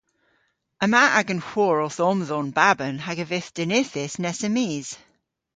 Yma agan hwor owth omdhon baban hag a vydh dinythys nessa mis.